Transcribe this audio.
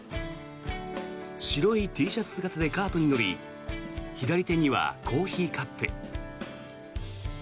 白いＴシャツ姿でカートに乗り左手にはコーヒーカップ。